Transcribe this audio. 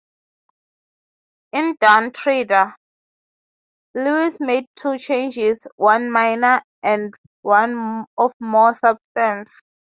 In "Dawn Treader", Lewis made two changes; one minor and one of more substance.